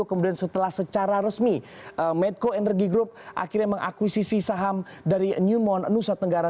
kemudian setelah secara resmi medco energy group akhirnya mengakuisisi saham dari newmont nusa tenggara